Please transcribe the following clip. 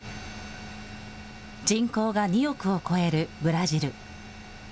人口が２億を超えるブラジル。